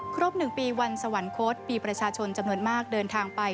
ครบ๑ปีวันสวรรคตมีประชาชนจำนวนมากเดินทางไป